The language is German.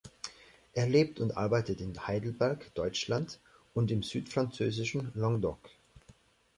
Er lebt und arbeitet in Heidelberg, Deutschland und im südfranzösischen Languedoc.